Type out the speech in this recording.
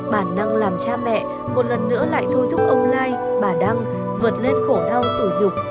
bản năng làm cha mẹ một lần nữa lại thôi thúc ông lai bà đăng vượt lên khổ đau tủ nhục